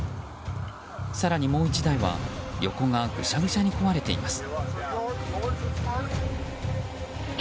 更にもう１台は、横がぐしゃぐしゃに壊れています。